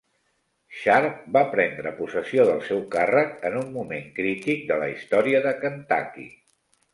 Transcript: Sharp va prendre possessió del seu càrrec en un moment crític de la història de Kentucky.